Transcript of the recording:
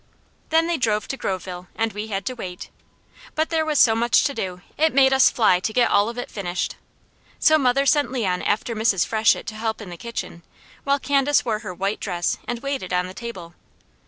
Then they drove to Groveville, and we had to wait. But there was so much to do, it made us fly to get all of it finished. So mother sent Leon after Mrs. Freshett to help in the kitchen, while Candace wore her white dress, and waited on the table.